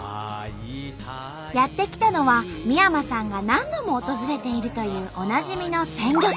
やって来たのは三山さんが何度も訪れているというおなじみの鮮魚店。